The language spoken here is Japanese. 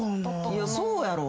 いやそうやろ。